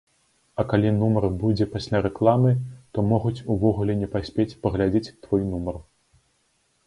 А калі нумар будзе пасля рэкламы, то могуць увогуле не паспець паглядзець твой нумар.